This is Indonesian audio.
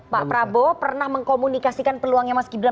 pak prabowo pernah mengkomunikasikan peluangnya mas gibran